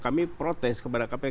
kami protes kepada kpk